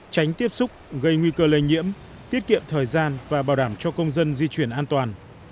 tránh tiếp xúc gây nguy cơ lây nhiễm tiết kiệm thời gian và bảo đảm cho công dân di chuyển an toàn